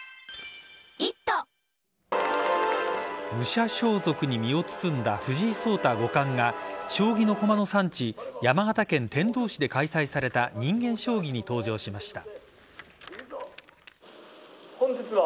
武者装束に身を包んだ藤井聡太五冠が将棋の駒の産地山形県天童市で開催された人間将棋に登場しました。